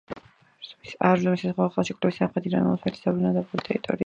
არზრუმის საზავო ხელშეკრულების თანახმად, ირანმა ოსმალეთს დაუბრუნა დაპყრობილი ტერიტორია.